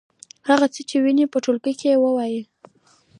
هغه څه چې وینئ په ټولګي کې ووایئ.